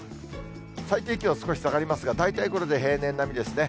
最低気温、少し下がりますが、大体これで平年並みですね。